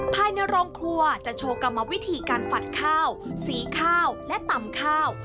ภายในโรงครัวจะโชว์กรรมวิธีการฝัดข้าวสีข้าวและตำข้าว